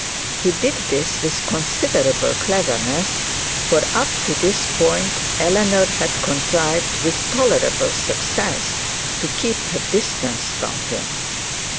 He did this with considerable cleverness, for up to this point Eleanor had contrived with tolerable success to keep her distance from him.